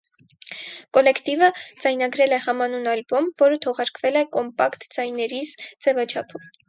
Կոլեկտիվը ձայնագրել է համանուն ալբոմ, որը թողարկվել է կոմպակտ ձայներիզ ձևաչափով։